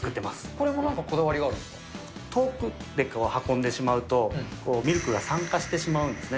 これもなんかこだわりがある遠くから運んでしまうと、ミルクが酸化してしまうんですね。